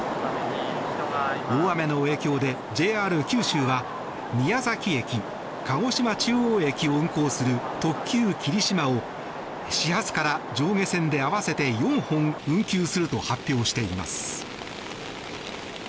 大雨の影響でＪＲ九州は宮崎駅鹿児島中央駅を運行する特急きりしまを始発から上下線で合わせて４本運休すると発表しています。